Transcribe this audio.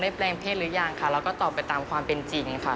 แปลงเพศหรือยังค่ะแล้วก็ตอบไปตามความเป็นจริงค่ะ